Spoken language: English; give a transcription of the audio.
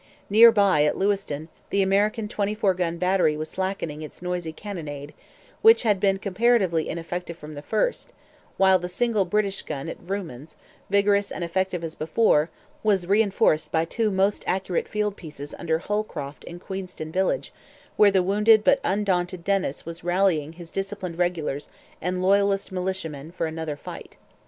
Near by, at Lewiston, the American twenty four gun battery was slackening its noisy cannonade, which had been comparatively ineffective from the first; while the single British gun at Vrooman's, vigorous and effective as before, was reinforced by two most accurate field pieces under Holcroft in Queenston village, where the wounded but undaunted Dennis was rallying his disciplined regulars and Loyalist militiamen for another fight.